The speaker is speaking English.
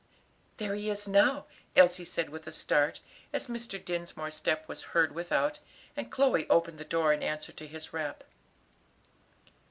"There he is now!" Elsie said with a start, as Mr. Dinsmore's step was heard without, and Chloe opened the door in answer to his rap.